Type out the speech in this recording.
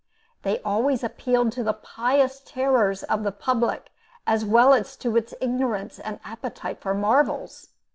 They always appealed to the pious terrors of the public, as well as to its ignorance and appetite for marvels.